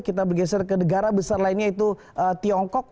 kita bergeser ke negara besar lainnya yaitu tiongkok